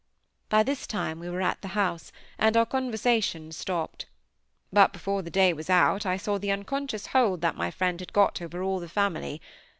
By this time we were at the house, and our conversation stopped. But before the day was out, I saw the unconscious hold that my friend had got over all the family.